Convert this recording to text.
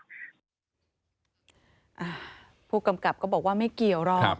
อ่าผู้กำกับก็บอกว่าไม่เกี่ยวหรอก